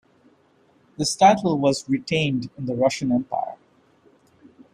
This title was retained in the Russian Empire.